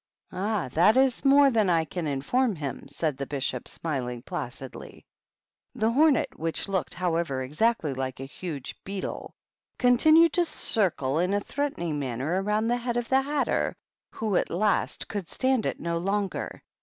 "Ah, that is more than I can inform him," said the Bishop, smiling placidly. The hornet — which looked, however, ex *= ^T / actly like a huge bee tle — continued to circle in a threatening manner around the head of the Hatter, who at last could 196 THE BISHOPS. stand it no longer.